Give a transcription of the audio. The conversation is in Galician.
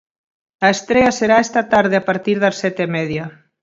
A estrea será esta tarde a partir das sete e media.